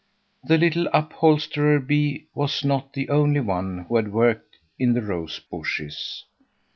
The little upholsterer bee was not the only one who worked in the rose bushes.